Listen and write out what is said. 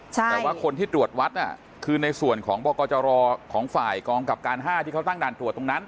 แต่ว่าคนที่ตรวจวัดคือในส่วนของบกจรของฝ่ายกองกับการ๕ที่เขาตั้งด่านตรวจตรงนั้น